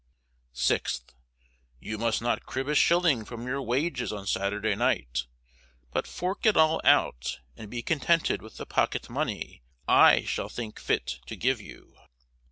6th. You must not crib a shilling from your wages on Saturday night, but fork it all out and be contented with the pocket money I shall think fit to give you.